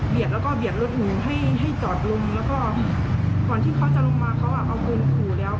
แล้วก็เบียดรถหนูให้ให้จอดลงแล้วก็ก่อนที่เขาจะลงมาเขาอ่ะเอาปืนขู่แล้ว